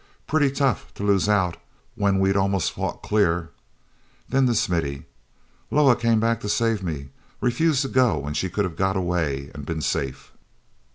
Pretty tough to lose out when we'd almost fought clear." Then, to Smithy: "Loah came back to save me—refused to go when she could have got away and been safe."